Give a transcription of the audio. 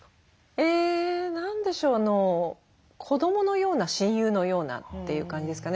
え何でしょう子どものような親友のようなっていう感じですかね。